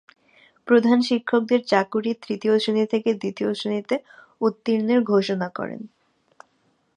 প্রধান শিক্ষকদের চাকরি তৃতীয় শ্রেণি থেকে দ্বিতীয় শ্রেণিতে উত্তীর্ণের ঘোষণা করেন।